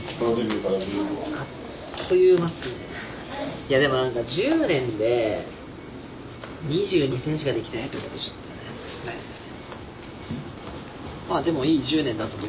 いやでもなんか１０年で２２戦しかできてないってちょっとね少ないですよね。